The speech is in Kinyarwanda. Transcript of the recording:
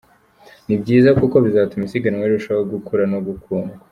Ni byiza kuko bizatuma isiganwa rirushaho gukura no gukundwa.